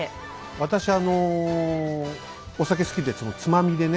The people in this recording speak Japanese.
私あのお酒好きでつまみでね